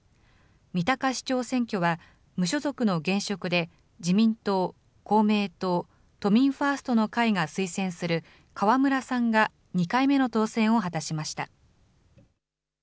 三鷹市長選挙は無所属の現職で自民党、公明党、都民ファーストの会が推薦する河村さんが２回目の当選を果たしました。